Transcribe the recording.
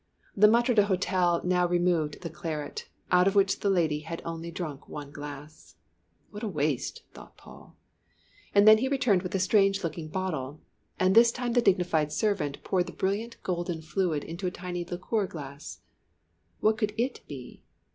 The maître d'hôtel now removed the claret, out of which the lady had only drunk one glass. (What waste! thought Paul.) And then he returned with a strange looking bottle, and this time the dignified servant poured the brilliant golden fluid into a tiny liqueur glass. What could it be?